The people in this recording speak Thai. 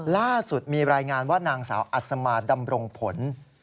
ล่าสุดมีรายงานว่านางสาวอัศมาดำรงผล